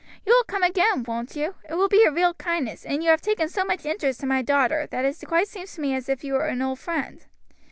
You will come again, won't you? It will be a real kindness, and you have taken so much interest in my daughter that it quite seems to me as if you were an old friend."